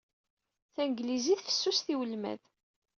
Tanglizit fessuset i welmad.